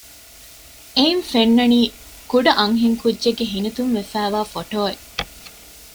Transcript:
އެއިން ފެންނަނީ ކުޑަ އަންހެންކުއްޖެއްގެ ހިނިތުންވެފައިވާ ފޮޓޯއެއް